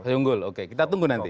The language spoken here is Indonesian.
unggul oke kita tunggu nanti